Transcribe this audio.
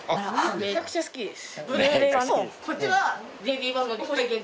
めちゃくちゃ好きです。